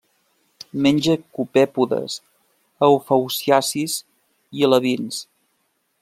Menja copèpodes, eufausiacis i alevins.